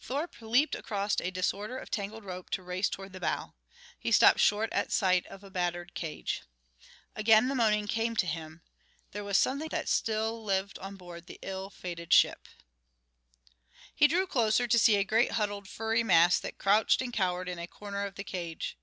Thorpe leaped across a disorder of tangled rope to race toward the bow. He stopped short at sight of a battered cage. Again the moaning came to him there was something that still lived on board the ill fated ship. He drew closer to see a great, huddled, furry mass that crouched and cowered in a corner of the cage.